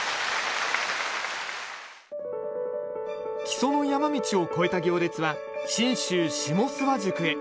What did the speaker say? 木曽の山道を越えた行列は信州下諏訪宿へ。